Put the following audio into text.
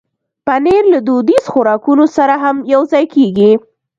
پنېر له دودیزو خوراکونو سره هم یوځای کېږي.